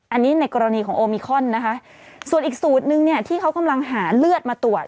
อันนี้ในกรณีของโอมิคอนนะคะส่วนอีกสูตรนึงเนี่ยที่เขากำลังหาเลือดมาตรวจ